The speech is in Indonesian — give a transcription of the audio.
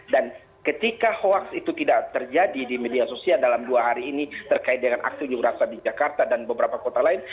ketika hoax itu tidak terjadi di media sosial dalam dua hari ini terkait dengan aksi unjuk rasa di jakarta dan beberapa kota lain